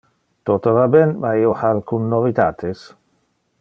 Toto va ben, ma io ha alcun novitates.